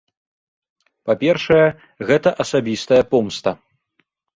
Па-першае, гэта асабістая помста.